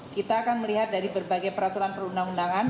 kita akan melihat dari berbagai peraturan perundang undangan